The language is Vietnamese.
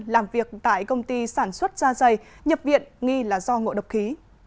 làm việc tại công ty sản xuất da dày nhập viện nghi là do ngộ độc khí